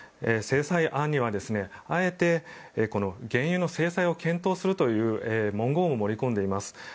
制裁案には、あえて原油の制裁を検討するという文言を盛り込んでいます。